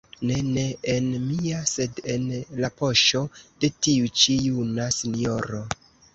Ne, ne en mia, sed en la poŝo de tiu ĉi juna sinjoro.